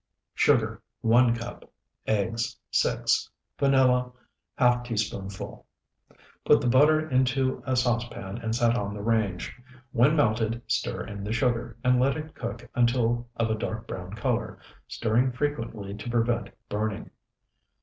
Sugar, 1 cup. Eggs, 6. Vanilla, ½ teaspoonful. Put the butter into a saucepan and set on the range. When melted, stir in the sugar, and let cook until of a dark brown color, stirring frequently to prevent burning.